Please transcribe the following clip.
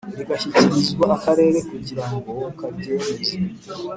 rigashyikirizwa Akarere kugira ngo karyemeze